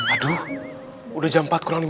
aduh udah jam empat kurang lima belas